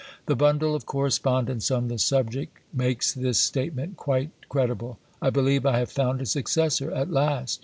The bundle of correspondence on the subject makes this statement quite credible. "I believe I have found a successor at last.